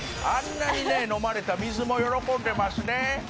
「あんなにね飲まれたら水も喜んでますね」